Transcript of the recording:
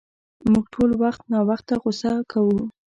مونږ ټول وخت ناوخته غصه کوو.